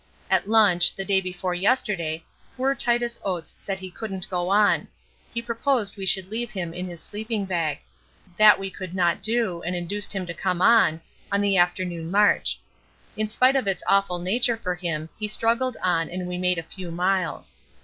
At lunch, the day before yesterday, poor Titus Oates said he couldn't go on; he proposed we should leave him in his sleeping bag. That we could not do, and induced him to come on, on the afternoon march. In spite of its awful nature for him he struggled on and we made a few miles.